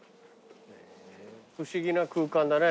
不思議な空間だね。